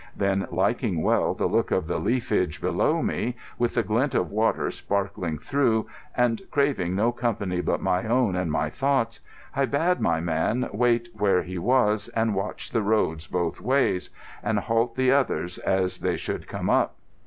Then, liking well the look of the leafage below me, with the glint of water sparkling through, and craving no company but my own and my thoughts, I bade my man wait where he was and watch the roads both ways, and halt the others as they should come up.